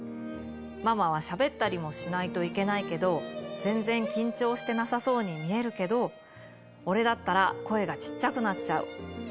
ママはしゃべったりもしないといけないけど、全然緊張してなさそうに見えるけど、俺だったら声がちっちゃくなっちゃう。